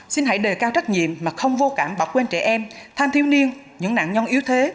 xin hãy đề cao trách nhiệm mà không vô cảm bỏ quên trẻ em than thiếu niên những nạn nhân yếu thế